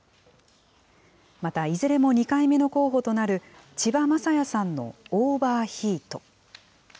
また、いずれも２回目の候補となる千葉雅也さんのオーバーヒート。